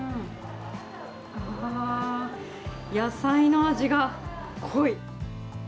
野菜の味が濃い。